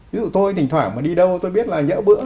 ví dụ tôi thỉnh thoảng mà đi đâu tôi biết là nhỡ bữa